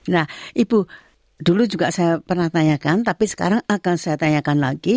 nah ibu dulu juga saya pernah tanyakan tapi sekarang akan saya tanyakan lagi